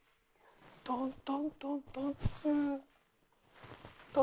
トン・トン・トン・トン。